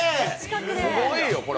すごいよ、これ。